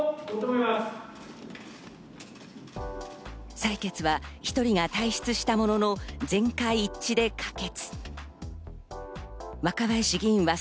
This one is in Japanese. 採決は１人が退室したものの、全会一致で可決。